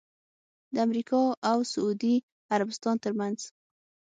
د امریکا اوسعودي عربستان ترمنځ